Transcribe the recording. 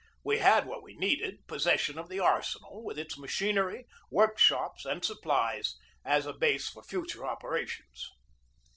We had what we needed: possession of the arsenal, with its machinery, workshops, and supplies, as a base for future operations.